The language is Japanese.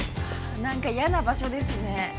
何か嫌な場所ですね